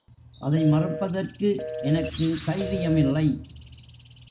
அதை மறுப்பதற்கு எனக்கு தைரியமில்லை.